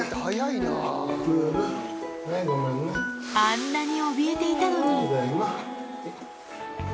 あんなにおびえていたのに。